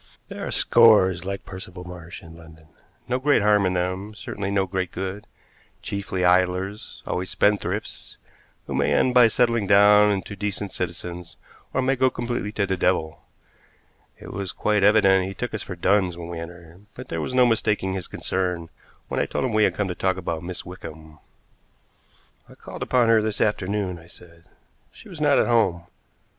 There are scores like Percival Marsh in London; no great harm in them, certainly no great good; chiefly idlers, always spendthrifts, who may end by settling down into decent citizens or may go completely to the devil. It was quite evident he took us for duns when we entered, but there was no mistaking his concern when I told him we had come to talk about Miss Wickham. "I called upon her this afternoon," I said. "She was not at home.